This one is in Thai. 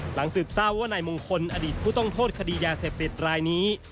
สืบทราบว่านายมงคลอดีตผู้ต้องโทษคดียาเสพติดรายนี้